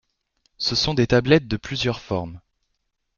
Ce sont des tablettes de plusieurs formes.